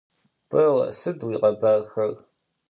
Belle sıd yikhebarxer?